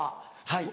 はい。